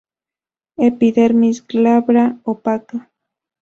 Epidermis glabra, opaca.